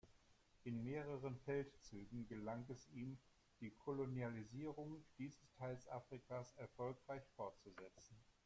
In mehreren Feldzügen gelang es ihm, die Kolonialisierung dieses Teils Afrikas erfolgreich fortzusetzen.